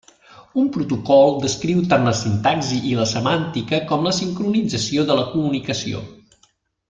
Un protocol descriu tant la sintaxi i la semàntica com la sincronització de la comunicació.